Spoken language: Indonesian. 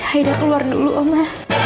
aida keluar dulu oma